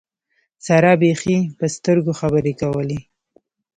سارا بېخي په سترګو خبرې کولې.